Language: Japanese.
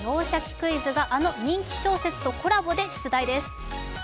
クイズ」があの人気小説とコラボです。